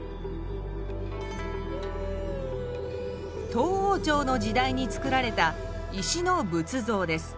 唐王朝の時代に造られた石の仏像です。